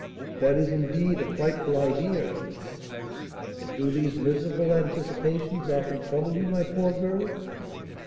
"That is, indeed, a frightful idea! And do these miserable anticipations often trouble you, my poor girl?"